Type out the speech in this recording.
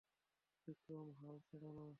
বিক্রম, হাল ছেঁড়ো না!